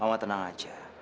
mama tenang aja